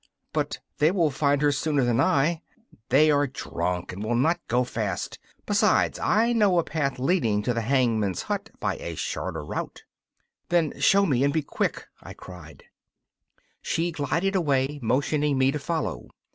'But they will find her sooner than I.' 'They are drunk and will not go fast. Besides, I know a path leading to the hangman's hut by a shorter route.' 'Then show me and be quick!' I cried. She glided away, motioning me to follow.